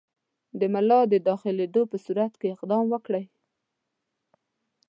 د ملا د داخلېدلو په صورت کې اقدام کوئ.